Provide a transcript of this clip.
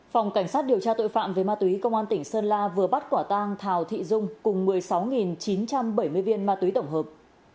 phòng cảnh sát điều tra tội phạm về ma túy công an tỉnh sơn la vừa bắt quả tang thào thị dung cùng một mươi sáu chín trăm bảy mươi viên ma túy tổng hợp